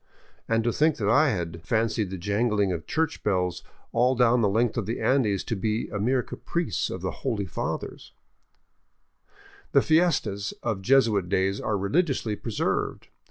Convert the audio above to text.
And to think that I had 595 VAGABONDING DOWN THE ANDES 1 fancied the jangling of church bells all down the length of the Andes to be a mere caprice of the holy fathers ! The fiestas of Jesuit days are religiously preserved.